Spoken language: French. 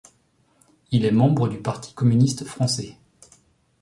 Il est membre du Parti communiste français.